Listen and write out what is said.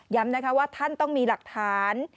ย้ำนะคะว่าท่านต้องมีหลักฐาน